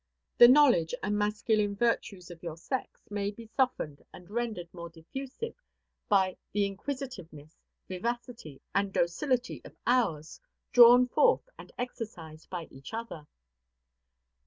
The knowledge and masculine virtues of your sex may be softened and rendered more diffusive by the inquisitiveness, vivacity, and docility of ours, drawn forth and exercised by each other.